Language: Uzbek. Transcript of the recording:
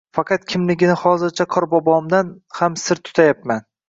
Faqat kimligini hozircha Qorbobomdan ham sir tutayapman